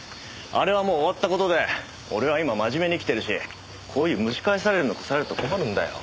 あれはもう終わった事で俺は今真面目に生きてるしこういう蒸し返されるような事されると困るんだよ。